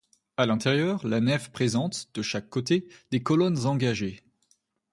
À l'intérieur, la nef présente, de chaque côté, des colonnes engagées.